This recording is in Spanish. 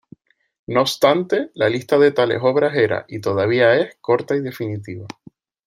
No obstante, la lista de tales obras era, y todavía es, corta y definitiva.